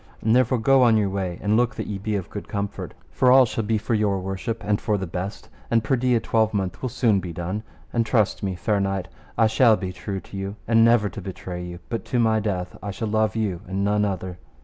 And therefore go on your way, and look that ye be of good comfort, for all shall be for your worship and for the best, and perdy a twelvemonth will soon be done, and trust me, fair knight, I shall be true to you, and never to betray you, but to my death I shall love you and none other.